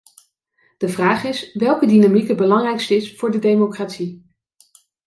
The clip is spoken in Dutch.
De vraag is welke dynamiek het belangrijkst is voor de democratie.